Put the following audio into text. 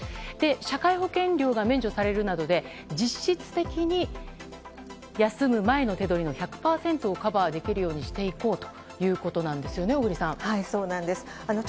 社会保険料が免除されるなどで実質的に休む前の手取りの１００％をカバーできるようにしていこうということなんですよね小栗さん。